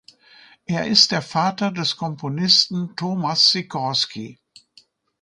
Er ist der Vater des Komponisten Tomasz Sikorski.